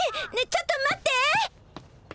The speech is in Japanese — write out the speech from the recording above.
ちょっと待って！